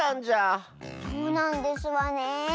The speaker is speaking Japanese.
そうなんですわねえ。